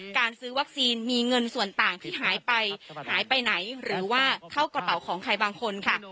การซื้อวัคซีนมีเงินส่วนต่างที่หายไปหายไปไหนหรือว่าเข้ากระเป๋าของใครบางคนค่ะ